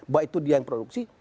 baik itu dia yang produksi